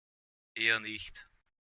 Eher nicht.